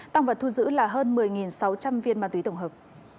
tăng vật thu giữ là hơn một mươi sáu trăm linh viên ma túy tổng hợp